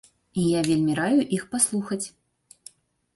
І я вельмі раю іх паслухаць.